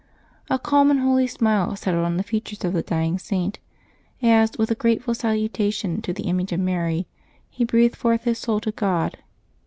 A calm and holy smile settled on the features of the dying Saint, as, with a grateful salutation to the image of Mary, he breathed forth his soul to God.